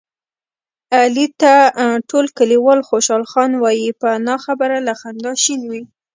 علي ته ټول کلیوال خوشحال خان وایي، په نه خبره له خندا شین وي.